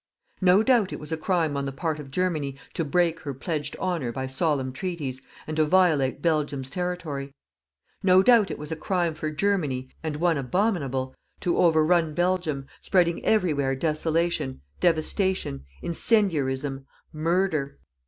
No doubt it was a crime on the part of Germany to break her pledged honour by solemn treaties, and to violate Belgium's territory. No doubt it was a crime for Germany and one abominable to overrun Belgium, spreading everywhere desolation, devastation, incendiarism, murder.